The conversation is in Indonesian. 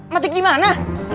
metik di mana